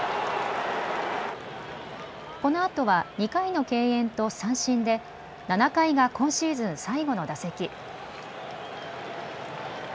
このあとは２回の敬遠と三振で７回が今シーズン最後の打席。